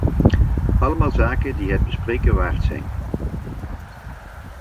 Allemaal zaken die het bespreken waard zijn.